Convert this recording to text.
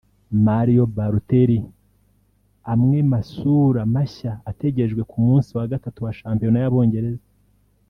Mario Balotelli amwe masura mashya ategerejwe ku munsi wa gatatu wa shampiyona y’Abongereza